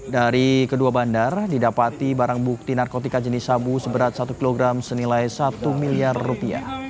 dari kedua bandar didapati barang bukti narkotika jenis sabu seberat satu kg senilai satu miliar rupiah